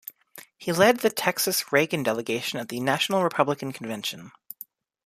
He led the Texas Reagan delegation at the national Republican convention.